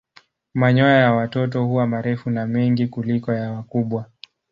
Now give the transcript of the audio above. Manyoya ya watoto huwa marefu na mengi kuliko ya wakubwa.